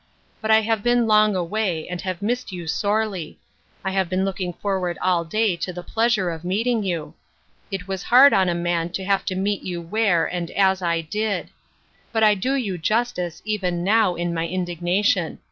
But I have been long away, and have missed you sorely. I have been looking forward all day to I96 ON THE MOUNT AND IN THE VALLEY. the pleasure of meeting you. It was hard on a man to have to meet you where, and as I did. But I do you justice, even now, in my indignation.